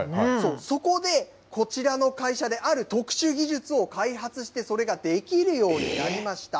そこで、こちらの会社で、ある特殊技術を開発して、それが出来るようになりました。